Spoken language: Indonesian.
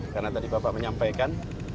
karena tadi bapak menyampaikan